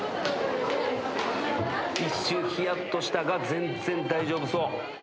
一瞬冷やっとしたが全然大丈夫そう。